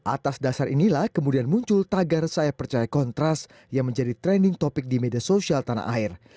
atas dasar inilah kemudian muncul tagar saya percaya kontras yang menjadi trending topic di media sosial tanah air